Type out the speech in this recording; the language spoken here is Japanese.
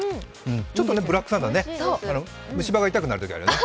ちょっとブラックサンダーね、虫歯が痛くなることあるよね。